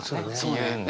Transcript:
言うんで。